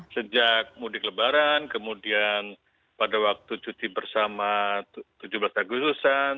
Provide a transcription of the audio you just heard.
sejak mudik lebaran kemudian pada waktu cuti bersama tujuh belas agustusan